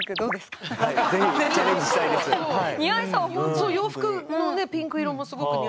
そう洋服のねピンク色もすごく似合ってるから。